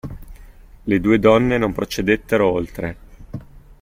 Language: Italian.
Le due donne non procedettero oltre.